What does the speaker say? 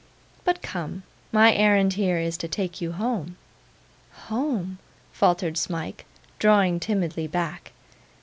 But come; my errand here is to take you home.' 'Home!' faltered Smike, drawing timidly back.